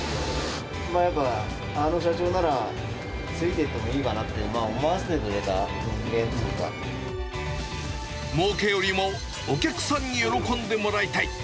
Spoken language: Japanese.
前から、あの社長ならついていってもいいかなって思わせてくれたっていうもうけよりもお客さんに喜んでもらいたい。